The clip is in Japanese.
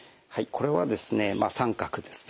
これはですね△ですね。